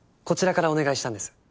こちらからお願いしたんです。